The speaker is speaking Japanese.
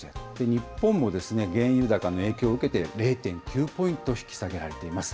日本も原油高の影響を受けて、０．９ポイント引き下げられています。